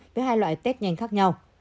với hai loại test nhanh khác nhau